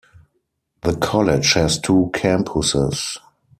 The college has two campuses.